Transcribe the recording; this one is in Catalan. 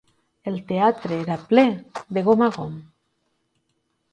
El teatre era ple de gom a gom.